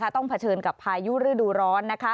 เผชิญกับพายุฤดูร้อน